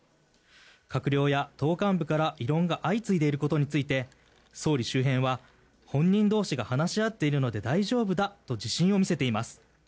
閣僚や党幹部から異論が相次いでいることについて総理周辺は本人同士が話し合っているので大丈夫だと自信を見せています。